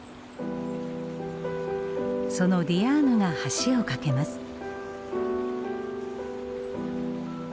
そのディアーヌが橋を架けます。